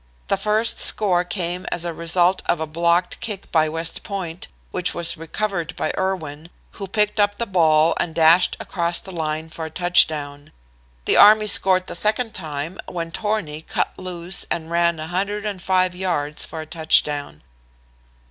The first score came as a result of a blocked kick by West Point, which was recovered by Erwin, who picked up the ball and dashed across the line for a touchdown. The Army scored the second time when Torney cut loose and ran 105 yards for a touchdown.